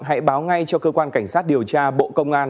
hãy báo ngay cho cơ quan cảnh sát điều tra bộ công an